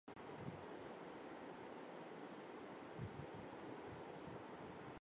گی‘ لیکن بڑی خوبی وہی ہیلی کاپٹر والی تھی۔